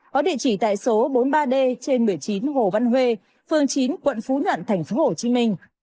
có địa chỉ tại số bốn mươi ba d trên một mươi chín hồ văn huê phường chín quận phú nhuận tp hcm